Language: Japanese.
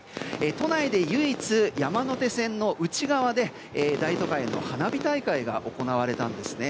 都内で唯一、山手線の内側で大都会の花火大会が行われたんですね。